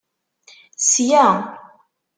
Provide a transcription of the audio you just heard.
Sya.